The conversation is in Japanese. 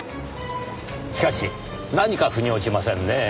しかし何か腑に落ちませんねぇ。